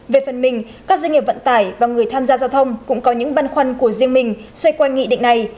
về phần mình các doanh nghiệp vận tải và người tham gia giao thông cũng có những băn khoăn của riêng mình xoay quanh nghị định này